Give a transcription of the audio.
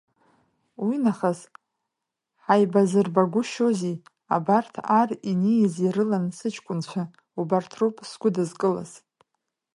Уи нахыс ҳаибазырбагәшьозеи, абарҭ ар инеиз ирылан сыҷкәынцәа, убарҭ роуп сгәыдызкылаз.